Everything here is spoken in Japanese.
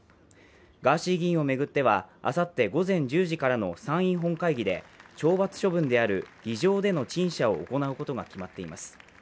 ガーシー議員を巡っては、あさって午前１０時からの参院本会議で懲罰処分である議場での陳謝を行うことが決まっています。